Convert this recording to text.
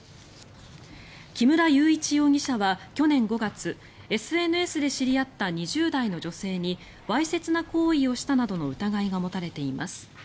木村祐一容疑者は去年５月ＳＮＳで知り合った２０代の女性にわいせつな行為をしたなどの疑いが持たれています。